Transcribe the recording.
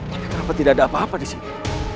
tapi kenapa tidak ada apa apa di sini